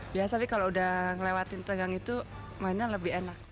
biasa sih kalau udah ngelewatin tegang itu mainnya lebih enak